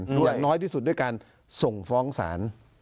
อย่างน้อยที่สุดด้วยการส่งฟ้องศาล